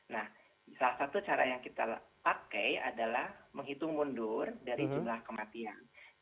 nah salah satu cara yang kita pakai adalah menghitung mundur dari jumlah kematian